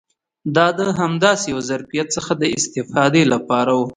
دا د همداسې یو ظرفیت څخه د استفادې لپاره و.